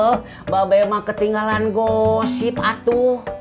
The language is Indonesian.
mbak be mbak ketinggalan gosip atu